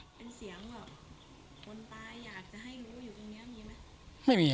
คนตายอยากจะให้รู้อยู่ตรงนี้มีมั้ย